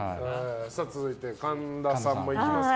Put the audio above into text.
続いて、神田さんもいきますか。